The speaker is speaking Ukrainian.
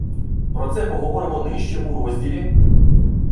Про це поговоримо нижче у розділі